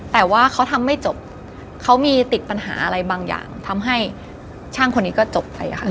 แต่ว่าเขาทำไม่จบเขามีติดปัญหาอะไรบางอย่างทำให้ช่างคนนี้ก็จบไปค่ะ